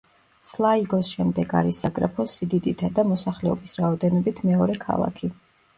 სლაიგოს შემდეგ არის საგრაფოს სიდიდითა და მოსახლეობის რაოდენობით მეორე ქალაქი.